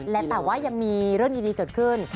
และแต่ว่ายังมีเรื่องดีเกิดขึ้น